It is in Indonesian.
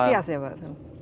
entusias ya pak